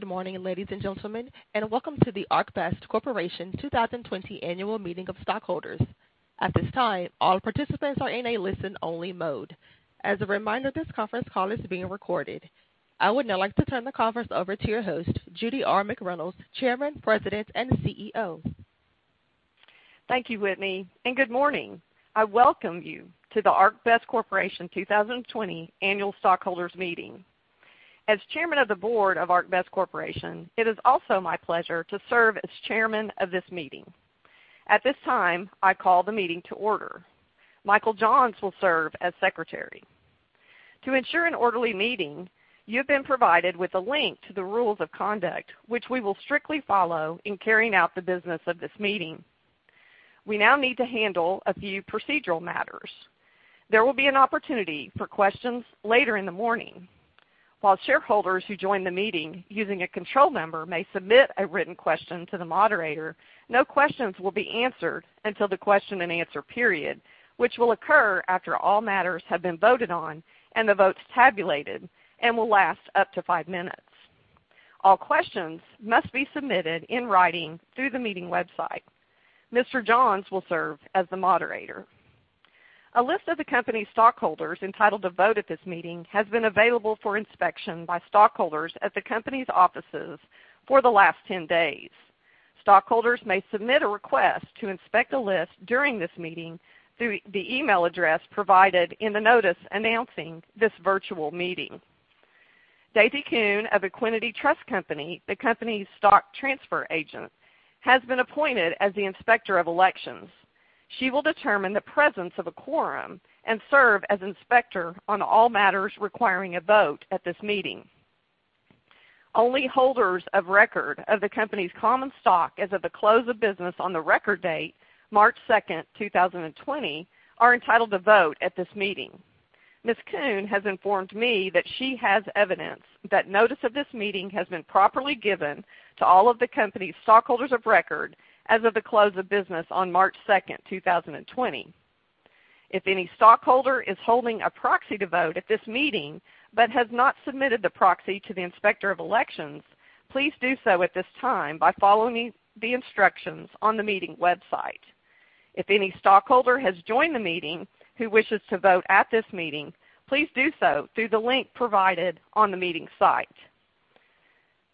Good morning, ladies and gentlemen, and welcome to the ArcBest Corporation 2020 Annual Meeting of Stockholders. At this time, all participants are in a listen-only mode. As a reminder, this conference call is being recorded. I would now like to turn the conference over to your host, Judy R. McReynolds, Chairman, President, and CEO. Thank you, Whitney, and good morning. I welcome you to the ArcBest Corporation 2020 Annual Stockholders Meeting. As Chairman of the Board of ArcBest Corporation, it is also my pleasure to serve as chairman of this meeting. At this time, I call the meeting to order. Michael Johns will serve as Secretary. To ensure an orderly meeting, you've been provided with a link to the rules of conduct, which we will strictly follow in carrying out the business of this meeting. We now need to handle a few procedural matters. There will be an opportunity for questions later in the morning. While shareholders who join the meeting using a control number may submit a written question to the moderator, no questions will be answered until the question-and-answer period, which will occur after all matters have been voted on and the votes tabulated and will last up to five minutes. All questions must be submitted in writing through the meeting website. Mr. Johns will serve as the moderator. A list of the company's stockholders entitled to vote at this meeting has been available for inspection by stockholders at the company's offices for the last 10 days. Stockholders may submit a request to inspect the list during this meeting through the email address provided in the notice announcing this virtual meeting. Daisy Kuhn of Equiniti Trust Company, the company's stock transfer agent, has been appointed as the Inspector of Elections. She will determine the presence of a quorum and serve as inspector on all matters requiring a vote at this meeting. Only holders of record of the company's common stock as of the close of business on the record date, March second, two thousand and twenty, are entitled to vote at this meeting. Ms. Kuhn has informed me that she has evidence that notice of this meeting has been properly given to all of the company's stockholders of record as of the close of business on March second, two thousand and twenty. If any stockholder is holding a proxy to vote at this meeting but has not submitted the proxy to the Inspector of Elections, please do so at this time by following the instructions on the meeting website. If any stockholder has joined the meeting who wishes to vote at this meeting, please do so through the link provided on the meeting site.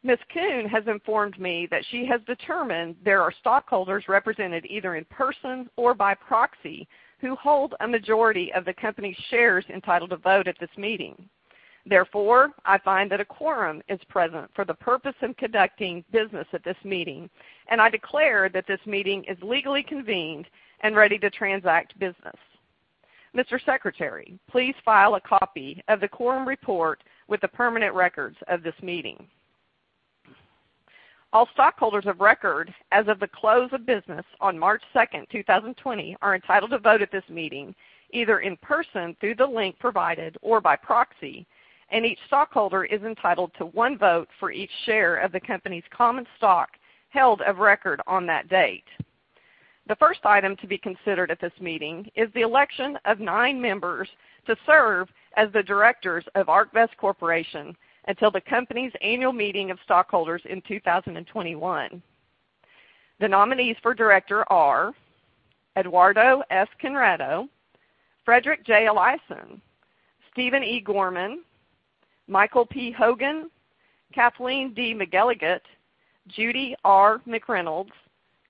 Ms. Kuhn has informed me that she has determined there are stockholders represented either in person or by proxy, who hold a majority of the company's shares entitled to vote at this meeting. Therefore, I find that a quorum is present for the purpose of conducting business at this meeting, and I declare that this meeting is legally convened and ready to transact business. Mr. Secretary, please file a copy of the quorum report with the permanent records of this meeting. All stockholders of record as of the close of business on March 2, 2020, are entitled to vote at this meeting, either in person through the link provided or by proxy, and each stockholder is entitled to 1 vote for each share of the company's common stock held of record on that date. The first item to be considered at this meeting is the election of 9 members to serve as the directors of ArcBest Corporation until the company's annual meeting of stockholders in 2021. The nominees for director are Eduardo F. Conrado, Fredrik J. Eliasson, Stephen E. Gorman, Michael P. Hogan, Kathleen D. McElligott, Judy R. McReynolds,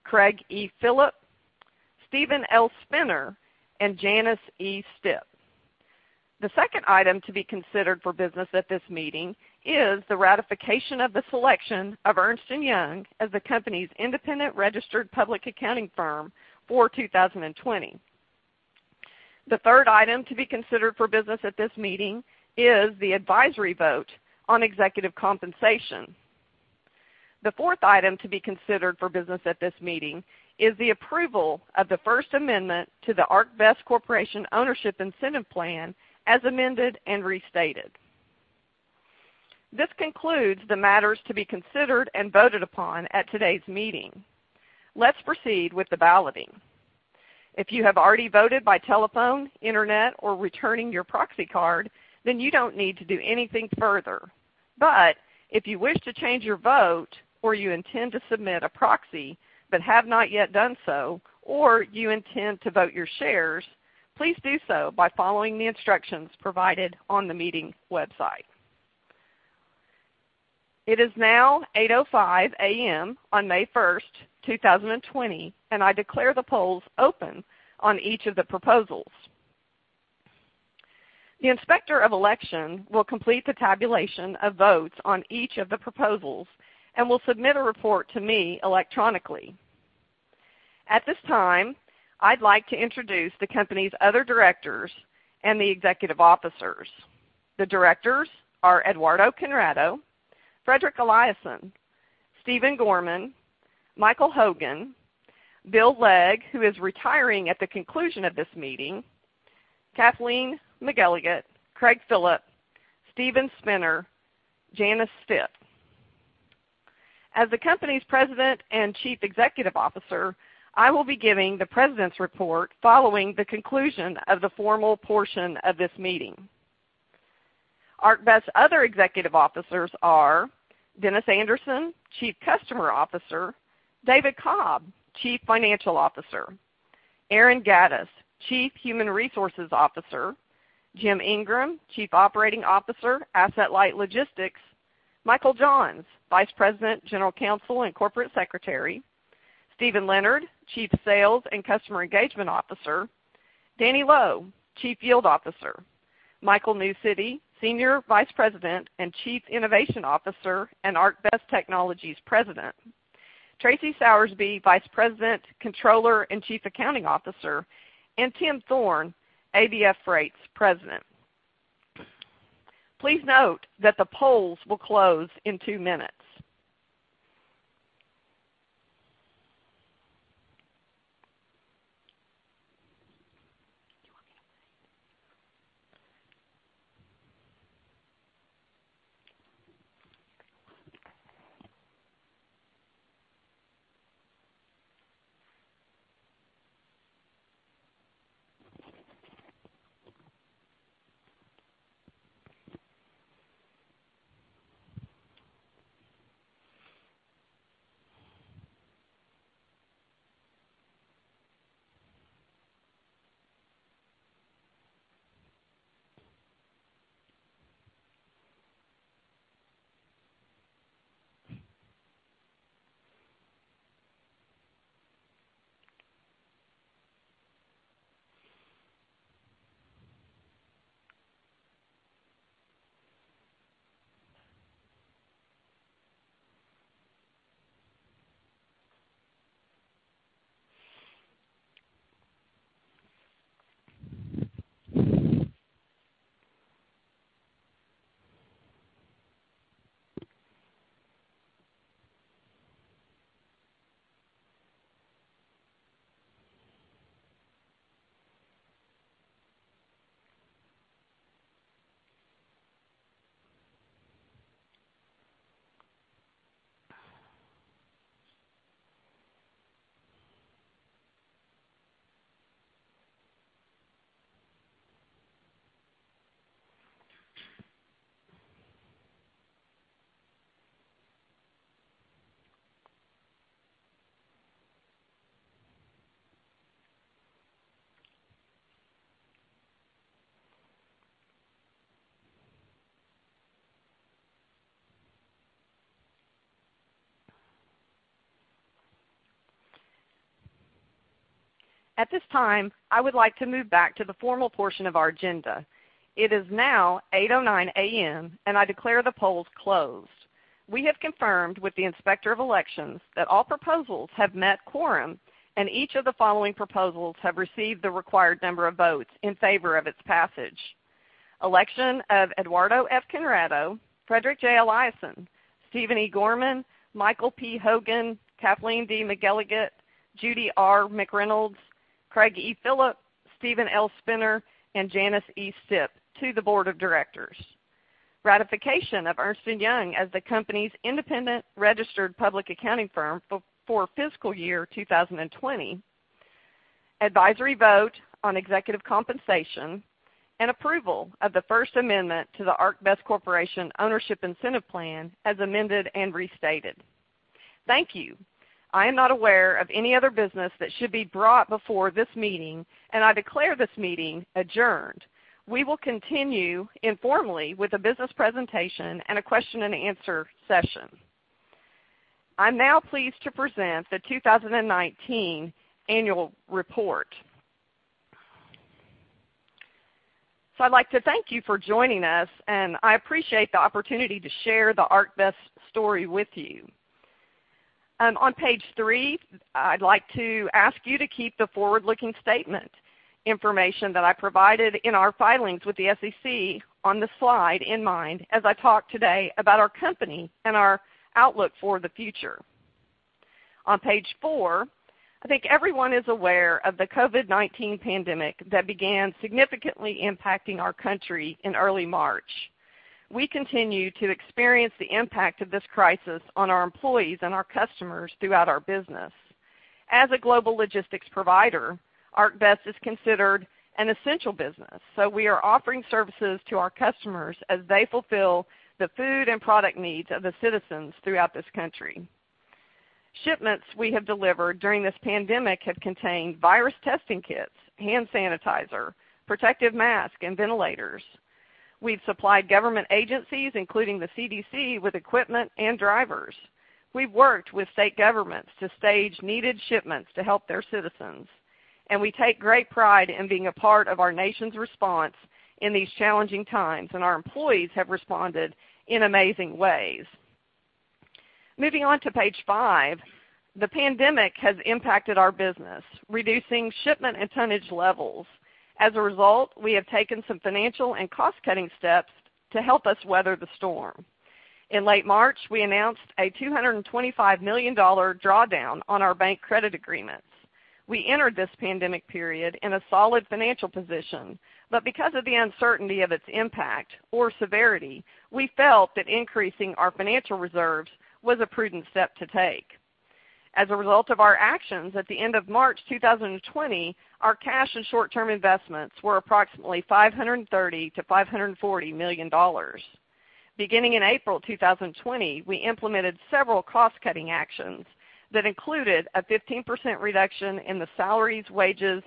Craig E. Philip, Steven L. Spinner, and Janice E. Stipp. The second item to be considered for business at this meeting is the ratification of the selection of Ernst & Young as the company's independent registered public accounting firm for 2020. The third item to be considered for business at this meeting is the advisory vote on executive compensation. The fourth item to be considered for business at this meeting is the approval of the first amendment to the ArcBest Corporation Ownership Incentive Plan, as amended and restated. This concludes the matters to be considered and voted upon at today's meeting. Let's proceed with the balloting. If you have already voted by telephone, internet, or returning your proxy card, then you don't need to do anything further. But if you wish to change your vote, or you intend to submit a proxy but have not yet done so, or you intend to vote your shares, please do so by following the instructions provided on the meeting website. It is now 8:05 A.M. on May 1, 2020, and I declare the polls open on each of the proposals. The Inspector of Election will complete the tabulation of votes on each of the proposals and will submit a report to me electronically. At this time, I'd like to introduce the company's other directors and the executive officers. The directors are Eduardo Conrado, Fredrik Eliasson, Stephen Gorman, Michael Hogan, Bill Legg, who is retiring at the conclusion of this meeting, Kathleen McElligott, Craig Philip, Steven Spinner, Janice Stipp. As the company's President and Chief Executive Officer, I will be giving the President's report following the conclusion of the formal portion of this meeting. ArcBest's other executive officers are Dennis Anderson, Chief Customer Officer; David Cobb, Chief Financial Officer; Erin Gattis, Chief Human Resources Officer; Jim Ingram, Chief Operating Officer, Asset-Light Logistics; Michael Johns, Vice President, General Counsel, and Corporate Secretary; Steven Leonard, Chief Sales and Customer Engagement Officer; Danny Loe, Chief Yield Officer; Michael Newcity, Senior Vice President and Chief Innovation Officer, and ArcBest Technologies President; Tracy Soursby, Vice President, Controller, and Chief Accounting Officer; and Tim Thorne, ABF Freight's President. Please note that the polls will close in two minutes. At this time, I would like to move back to the formal portion of our agenda. It is now 8:09 A.M., and I declare the polls closed. We have confirmed with the Inspector of Elections that all proposals have met quorum, and each of the following proposals have received the required number of votes in favor of its passage. Election of Eduardo F. Conrado, Fredrik J. Eliasson, Stephen E. Gorman, Michael P. Hogan, Kathleen D. McElligott, Judy R. McReynolds, Craig E. Philip, Steven L. Spinner, and Janice E. Stipp to the Board of Directors. Ratification of Ernst & Young as the company's independent registered public accounting firm for, for FY 2020. Advisory vote on executive compensation, and approval of the first amendment to the ArcBest Corporation Ownership Incentive Plan, as amended and restated. Thank you. I am not aware of any other business that should be brought before this meeting, and I declare this meeting adjourned. We will continue informally with a business presentation and a question-and-answer session. I'm now pleased to present the 2019 annual report. So I'd like to thank you for joining us, and I appreciate the opportunity to share the ArcBest story with you. On Page 3, I'd like to ask you to keep the forward-looking statement information that I provided in our filings with the SEC on the slide in mind, as I talk today about our company and our outlook for the future. On Page 4, I think everyone is aware of the COVID-19 pandemic that began significantly impacting our country in early March. We continue to experience the impact of this crisis on our employees and our customers throughout our business. As a global logistics provider, ArcBest is considered an essential business, so we are offering services to our customers as they fulfill the food and product needs of the citizens throughout this country. Shipments we have delivered during this pandemic have contained virus testing kits, hand sanitizer, protective masks, and ventilators. We've supplied government agencies, including the CDC, with equipment and drivers. We've worked with state governments to stage needed shipments to help their citizens, and we take great pride in being a part of our nation's response in these challenging times, and our employees have responded in amazing ways. Moving on to Page 5. The pandemic has impacted our business, reducing shipment and tonnage levels. As a result, we have taken some financial and cost-cutting steps to help us weather the storm. In late March, we announced a $225 million drawdown on our bank credit agreements. We entered this pandemic period in a solid financial position, but because of the uncertainty of its impact or severity, we felt that increasing our financial reserves was a prudent step to take. As a result of our actions, at the end of March 2020, our cash and short-term investments were approximately $530 million-$540 million. Beginning in April 2020, we implemented several cost-cutting actions that included a 15% reduction in the salaries, wages,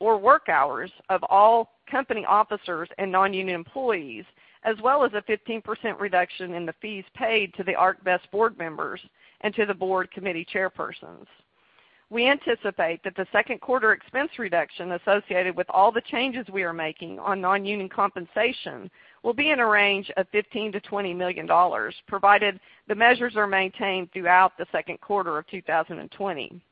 or work hours of all company officers and non-union employees, as well as a 15% reduction in the fees paid to the ArcBest board members and to the board committee chairpersons. We anticipate that the second quarter expense reduction associated with all the changes we are making on non-union compensation will be in a range of $15 million-$20 million, provided the measures are maintained throughout the second quarter of 2020.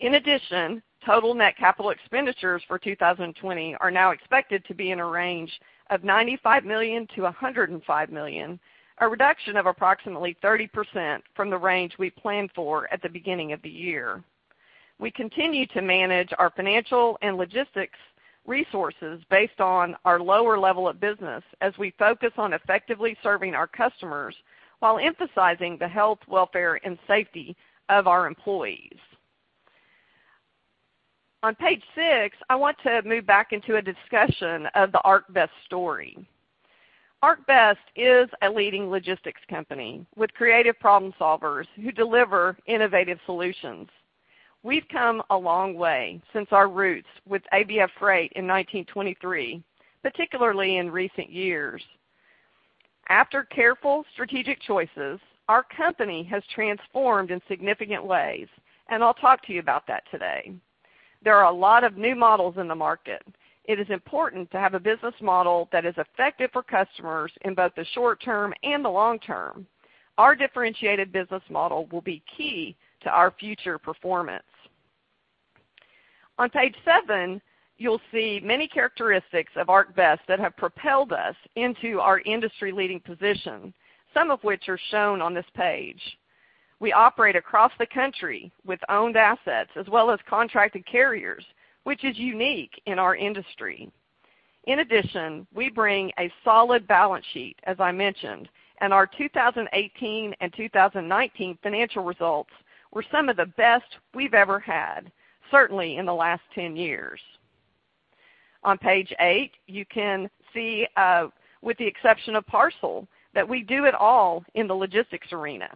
In addition, total net capital expenditures for 2020 are now expected to be in a range of $95 million-$105 million, a reduction of approximately 30% from the range we planned for at the beginning of the year. We continue to manage our financial and logistics resources based on our lower level of business as we focus on effectively serving our customers while emphasizing the health, welfare, and safety of our employees. On Page 6, I want to move back into a discussion of the ArcBest story. ArcBest is a leading logistics company with creative problem solvers who deliver innovative solutions. We've come a long way since our roots with ABF Freight in 1923, particularly in recent years. After careful strategic choices, our company has transformed in significant ways, and I'll talk to you about that today. There are a lot of new models in the market. It is important to have a business model that is effective for customers in both the short term and the long term. Our differentiated business model will be key to our future performance. On Page 7, you'll see many characteristics of ArcBest that have propelled us into our industry-leading position, some of which are shown on this Page. We operate across the country with owned assets as well as contracted carriers, which is unique in our industry. In addition, we bring a solid balance sheet, as I mentioned, and our 2018 and 2019 financial results were some of the best we've ever had, certainly in the last 10 years. On Page 8, you can see, with the exception of parcel, that we do it all in the logistics arena.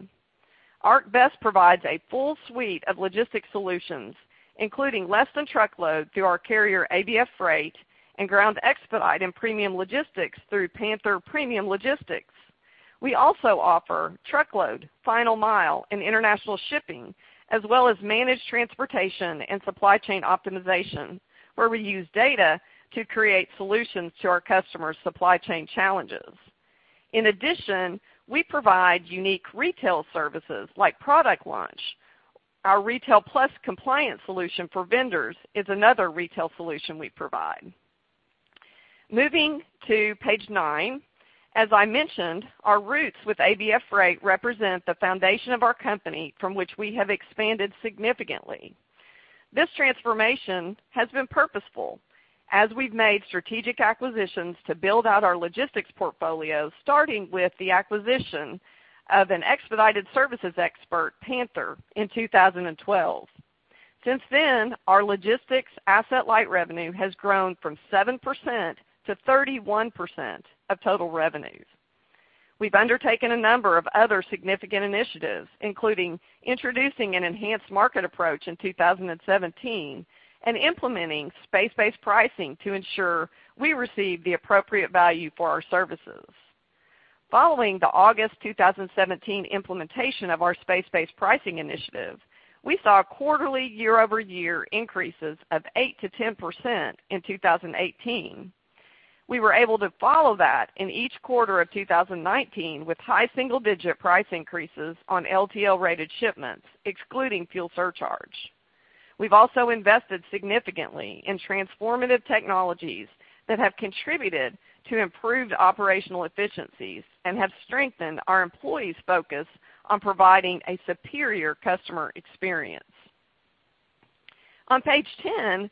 ArcBest provides a full suite of logistics solutions, including less-than-truckload through our carrier, ABF Freight, and ground expedite and premium logistics through Panther Premium Logistics. We also offer truckload, final mile, and international shipping, as well as managed transportation and supply chain optimization, where we use data to create solutions to our customers' supply chain challenges. In addition, we provide unique retail services like product launch. Our Retail+ Compliance solution for vendors is another retail solution we provide. Moving to Page 9, as I mentioned, our roots with ABF Freight represent the foundation of our company from which we have expanded significantly. This transformation has been purposeful as we've made strategic acquisitions to build out our logistics portfolio, starting with the acquisition of an expedited services expert, Panther, in 2012. Since then, our logistics asset-light revenue has grown from 7% to 31% of total revenues. We've undertaken a number of other significant initiatives, including introducing an enhanced market approach in 2017, and implementing space-based pricing to ensure we receive the appropriate value for our services. Following the August 2017 implementation of our space-based pricing initiative, we saw quarterly year-over-year increases of 8%-10% in 2018. We were able to follow that in each quarter of 2019, with high single-digit price increases on LTL-rated shipments, excluding fuel surcharge. We've also invested significantly in transformative technologies that have contributed to improved operational efficiencies and have strengthened our employees' focus on providing a superior customer experience. On Page 10,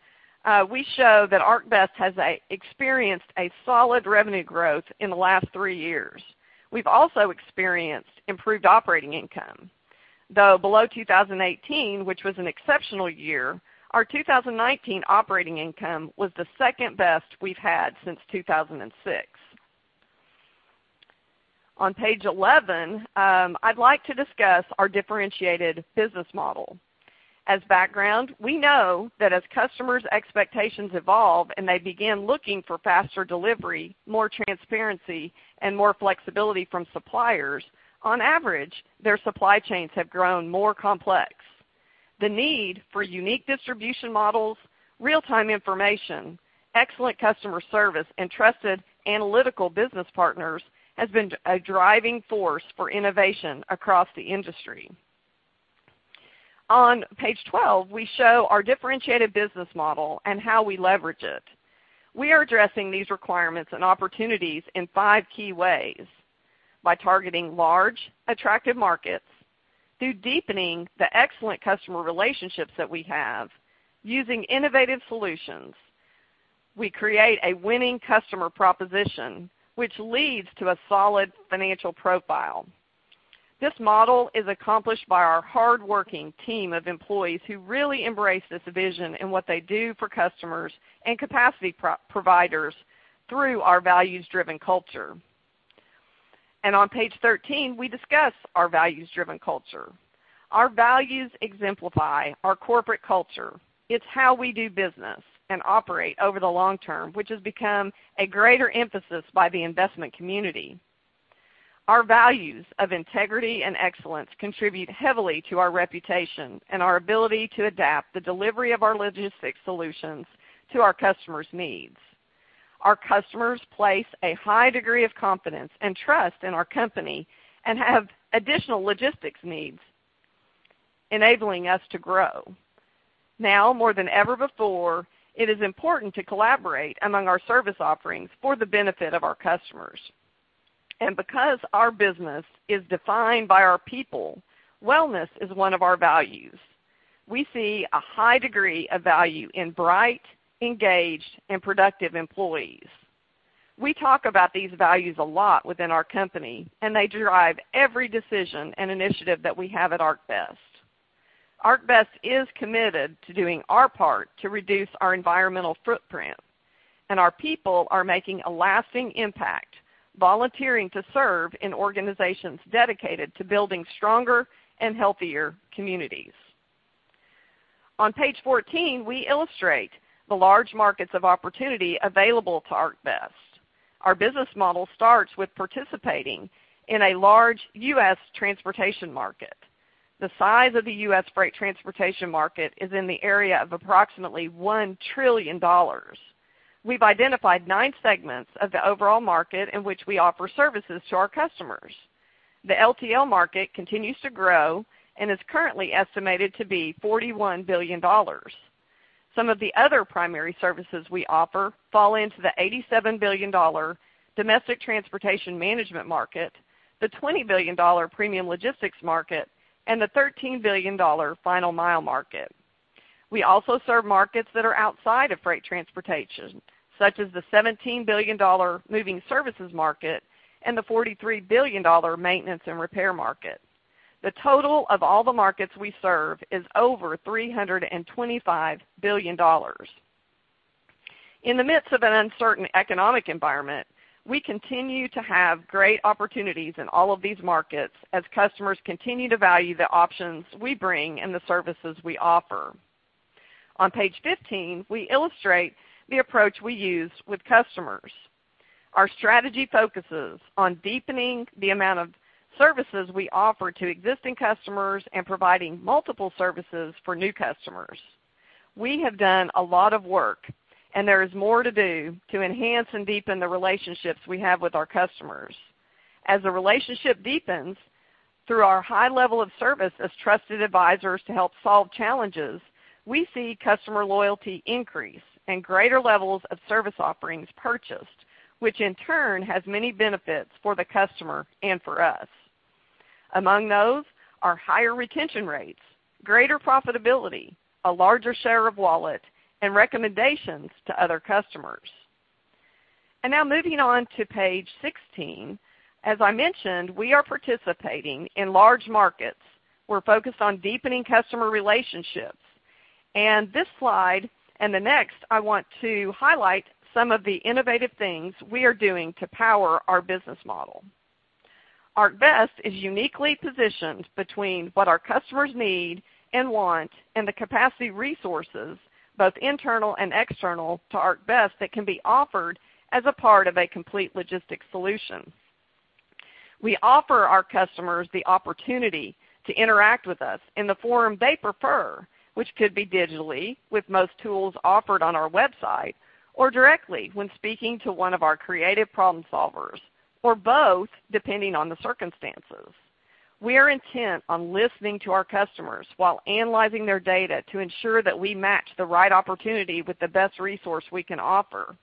we show that ArcBest has experienced a solid revenue growth in the last three years. We've also experienced improved operating income. Though below 2018, which was an exceptional year, our 2019 operating income was the second best we've had since 2006. On Page 11, I'd like to discuss our differentiated business model. As background, we know that as customers' expectations evolve and they begin looking for faster delivery, more transparency, and more flexibility from suppliers, on average, their supply chains have grown more complex. The need for unique distribution models, real-time information, excellent customer service, and trusted analytical business partners has been a driving force for innovation across the industry. On Page 12, we show our differentiated business model and how we leverage it. We are addressing these requirements and opportunities in five key ways by targeting large, attractive markets through deepening the excellent customer relationships that we have. Using innovative solutions, we create a winning customer proposition, which leads to a solid financial profile. This model is accomplished by our hardworking team of employees, who really embrace this vision in what they do for customers and capacity providers through our values-driven culture. On Page 13, we discuss our values-driven culture. Our values exemplify our corporate culture. It's how we do business and operate over the long term, which has become a greater emphasis by the investment community. Our values of integrity and excellence contribute heavily to our reputation and our ability to adapt the delivery of our logistics solutions to our customers' needs. Our customers place a high degree of confidence and trust in our company and have additional logistics needs, enabling us to grow. Now, more than ever before, it is important to collaborate among our service offerings for the benefit of our customers. Because our business is defined by our people, wellness is one of our values. We see a high degree of value in bright, engaged, and productive employees. We talk about these values a lot within our company, and they drive every decision and initiative that we have at ArcBest. ArcBest is committed to doing our part to reduce our environmental footprint, and our people are making a lasting impact, volunteering to serve in organizations dedicated to building stronger and healthier communities. On Page 14, we illustrate the large markets of opportunity available to ArcBest. Our business model starts with participating in a large U.S. transportation market. The size of the U.S. freight transportation market is in the area of approximately $1 trillion. We've identified 9 segments of the overall market in which we offer services to our customers. The LTL market continues to grow and is currently estimated to be $41 billion. Some of the other primary services we offer fall into the $87 billion dollar domestic transportation management market, the $20 billion dollar premium logistics market, and the $13 billion dollar final mile market. We also serve markets that are outside of freight transportation, such as the $17 billion dollar moving services market and the $43 billion dollar maintenance and repair market. The total of all the markets we serve is over $325 billion. In the midst of an uncertain economic environment, we continue to have great opportunities in all of these markets as customers continue to value the options we bring and the services we offer. On Page 15, we illustrate the approach we use with customers. Our strategy focuses on deepening the amount of services we offer to existing customers and providing multiple services for new customers. We have done a lot of work, and there is more to do to enhance and deepen the relationships we have with our customers. As the relationship deepens, through our high level of service as trusted advisors to help solve challenges, we see customer loyalty increase and greater levels of service offerings purchased, which in turn, has many benefits for the customer and for us. Among those are higher retention rates, greater profitability, a larger share of wallet, and recommendations to other customers. And now, moving on to Page 16. As I mentioned, we are participating in large markets. We're focused on deepening customer relationships, and this slide and the next, I want to highlight some of the innovative things we are doing to power our business model. ArcBest is uniquely positioned between what our customers need and want, and the capacity resources, both internal and external, to ArcBest, that can be offered as a part of a complete logistics solution. We offer our customers the opportunity to interact with us in the forum they prefer, which could be digitally, with most tools offered on our website, or directly when speaking to one of our creative problem solvers, or both, depending on the circumstances. We are intent on listening to our customers while analyzing their data to ensure that we match the right opportunity with the best resource we can offer.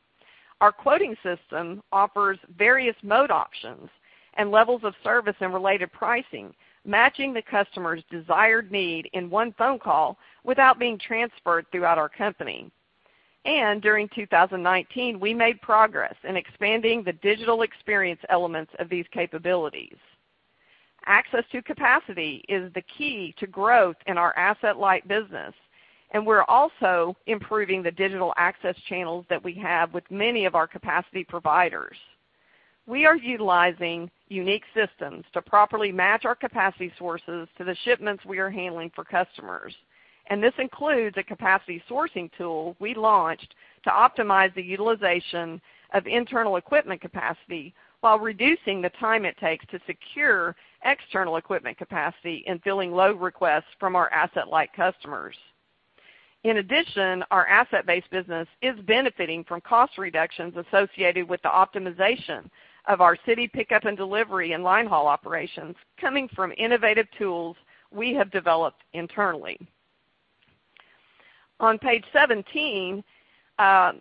Our quoting system offers various mode options and levels of service and related pricing, matching the customer's desired need in one phone call without being transferred throughout our company. During 2019, we made progress in expanding the digital experience elements of these capabilities. Access to capacity is the key to growth in our asset-light business, and we're also improving the digital access channels that we have with many of our capacity providers. We are utilizing unique systems to properly match our capacity sources to the shipments we are handling for customers, and this includes a capacity sourcing tool we launched to optimize the utilization of internal equipment capacity while reducing the time it takes to secure external equipment capacity in filling load requests from our asset-light customers. In addition, our asset-based business is benefiting from cost reductions associated with the optimization of our city pickup and delivery and line haul operations coming from innovative tools we have developed internally. On Page 17,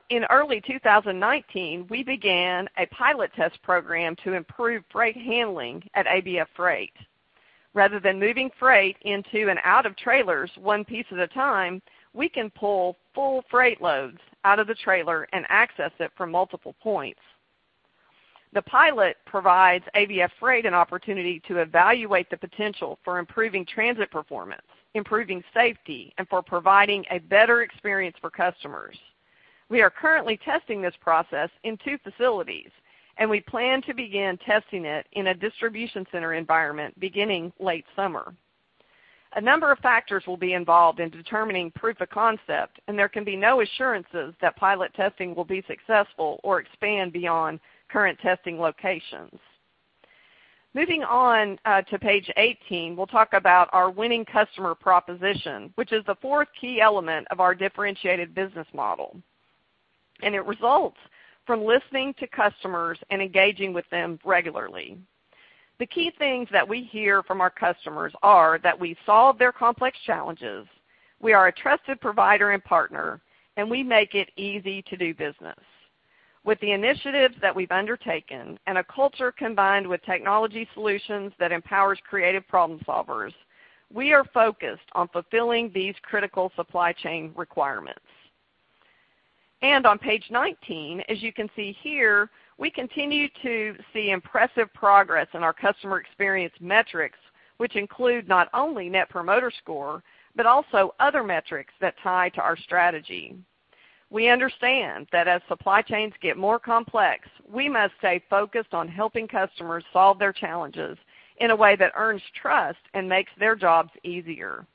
in early 2019, we began a pilot test program to improve freight handling at ABF Freight. Rather than moving freight into and out of trailers one piece at a time, we can pull full freight loads out of the trailer and access it from multiple points. The pilot provides ABF Freight an opportunity to evaluate the potential for improving transit performance, improving safety, and for providing a better experience for customers. We are currently testing this process in two facilities, and we plan to begin testing it in a distribution center environment beginning late summer. A number of factors will be involved in determining proof of concept, and there can be no assurances that pilot testing will be successful or expand beyond current testing locations. Moving on, to Page 18, we'll talk about our winning customer proposition, which is the fourth key element of our differentiated business model, and it results from listening to customers and engaging with them regularly. The key things that we hear from our customers are that we solve their complex challenges, we are a trusted provider and partner, and we make it easy to do business. With the initiatives that we've undertaken and a culture combined with technology solutions that empowers creative problem solvers, we are focused on fulfilling these critical supply chain requirements. On Page 19, as you can see here, we continue to see impressive progress in our customer experience metrics, which include not only Net Promoter Score, but also other metrics that tie to our strategy. We understand that as supply chains get more complex, we must stay focused on helping customers solve their challenges in a way that earns trust and makes their jobs easier.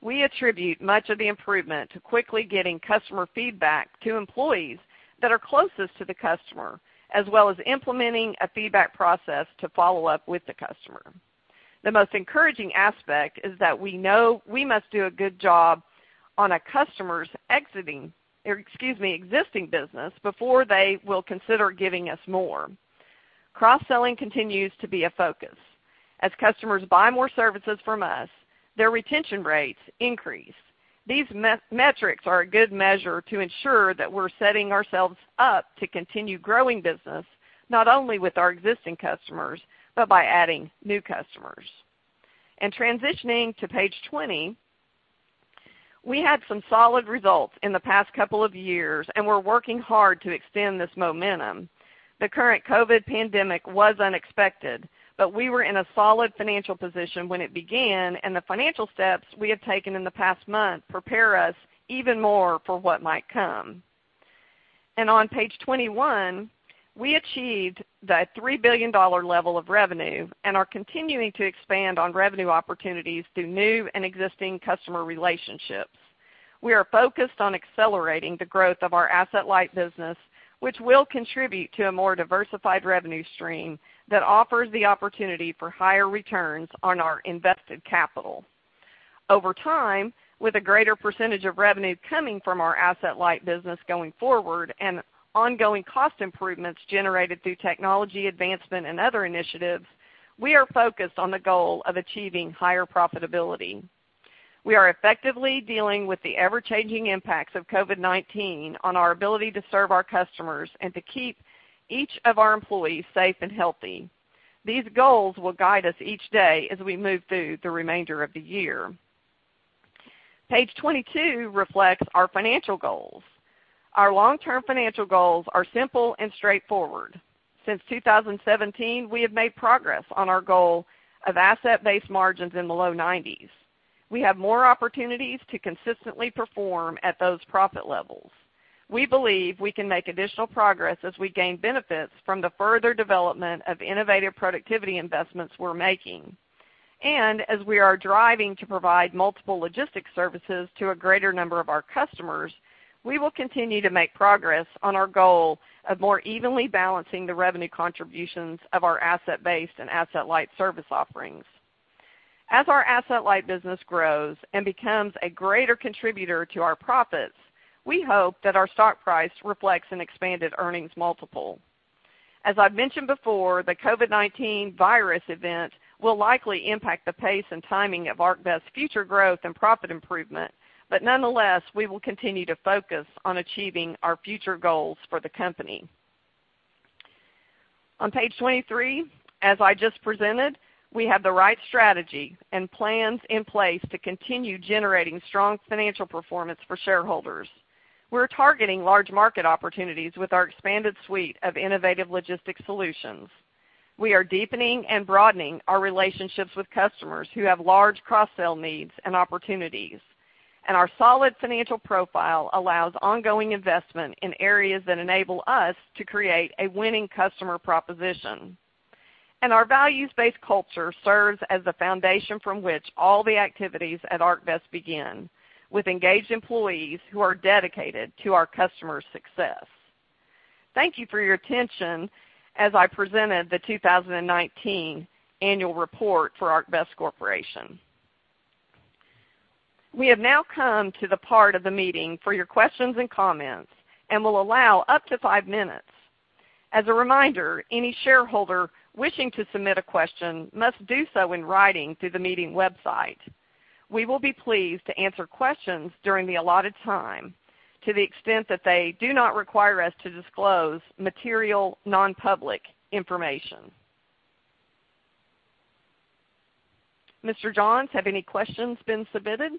We attribute much of the improvement to quickly getting customer feedback to employees that are closest to the customer, as well as implementing a feedback process to follow up with the customer. The most encouraging aspect is that we know we must do a good job on a customer's exiting, or excuse me, existing business before they will consider giving us more. Cross-selling continues to be a focus. As customers buy more services from us, their retention rates increase. These metrics are a good measure to ensure that we're setting ourselves up to continue growing business, not only with our existing customers, but by adding new customers. Transitioning to Page 20, we had some solid results in the past couple of years, and we're working hard to extend this momentum. The current COVID pandemic was unexpected, but we were in a solid financial position when it began, and the financial steps we have taken in the past month prepare us even more for what might come. On Page 21, we achieved the $3 billion level of revenue and are continuing to expand on revenue opportunities through new and existing customer relationships. We are focused on accelerating the growth of our asset-light business, which will contribute to a more diversified revenue stream that offers the opportunity for higher returns on our invested capital. Over time, with a greater percentage of revenue coming from our Asset-Light business going forward and ongoing cost improvements generated through technology advancement and other initiatives, we are focused on the goal of achieving higher profitability. We are effectively dealing with the ever-changing impacts of COVID-19 on our ability to serve our customers and to keep each of our employees safe and healthy. These goals will guide us each day as we move through the remainder of the year. Page 22 reflects our financial goals. Our long-term financial goals are simple and straightforward. Since 2017, we have made progress on our goal of asset-based margins in the low 90s. We have more opportunities to consistently perform at those profit levels. We believe we can make additional progress as we gain benefits from the further development of innovative productivity investments we're making. As we are driving to provide multiple logistics services to a greater number of our customers, we will continue to make progress on our goal of more evenly balancing the revenue contributions of our asset-based and asset-light service offerings. As our asset-light business grows and becomes a greater contributor to our profits, we hope that our stock price reflects an expanded earnings multiple. As I've mentioned before, the COVID-19 virus event will likely impact the pace and timing of ArcBest's future growth and profit improvement, but nonetheless, we will continue to focus on achieving our future goals for the company. On Page 23, as I just presented, we have the right strategy and plans in place to continue generating strong financial performance for shareholders. We're targeting large market opportunities with our expanded suite of innovative logistics solutions. We are deepening and broadening our relationships with customers who have large cross-sell needs and opportunities, and our solid financial profile allows ongoing investment in areas that enable us to create a winning customer proposition. Our values-based culture serves as the foundation from which all the activities at ArcBest begin, with engaged employees who are dedicated to our customers' success. Thank you for your attention as I presented the 2019 annual report for ArcBest Corporation. We have now come to the part of the meeting for your questions and comments, and we'll allow up to five minutes. As a reminder, any shareholder wishing to submit a question must do so in writing through the meeting website. We will be pleased to answer questions during the allotted time, to the extent that they do not require us to disclose material, nonpublic information. Mr. Johns, have any questions been submitted?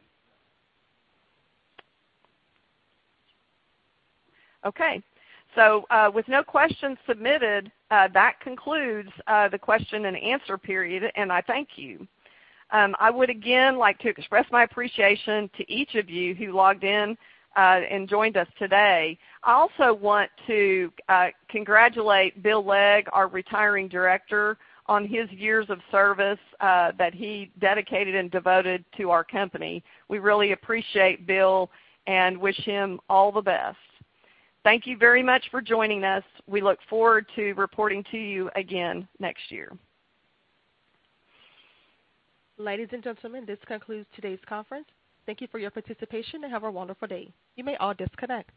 Okay, so, with no questions submitted, that concludes the question and answer period, and I thank you. I would again like to express my appreciation to each of you who logged in and joined us today. I also want to congratulate Bill Legg, our retiring director, on his years of service that he dedicated and devoted to our company. We really appreciate Bill and wish him all the best. Thank you very much for joining us. We look forward to reporting to you again next year. Ladies and gentlemen, this concludes today's conference. Thank you for your participation, and have a wonderful day. You may all disconnect.